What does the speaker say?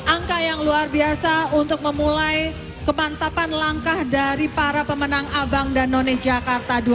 angka yang luar biasa untuk memulai kemantapan langkah dari para pemenang abang dan none jakarta dua ribu dua puluh